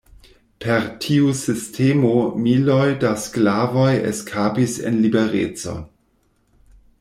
Per tiu sistemo miloj da sklavoj eskapis en liberecon.